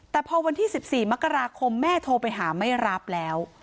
แต่พอวันที่๑๔มกราคมแม่โทรไปหาไม่รับแล้ว